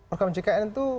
orgama jkn itu